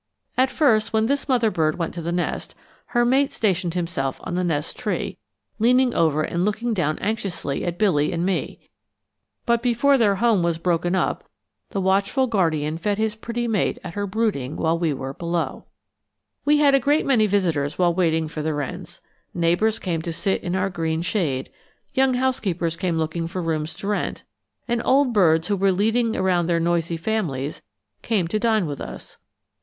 At first, when this mother bird went to the nest, her mate stationed himself on the nest tree, leaning over and looking down anxiously at Billy and me; but before their home was broken up the watchful guardian fed his pretty mate at her brooding when we were below. We had a great many visitors while waiting for the wrens: neighbors came to sit in our green shade, young housekeepers came looking for rooms to rent, and old birds who were leading around their noisy families came to dine with us.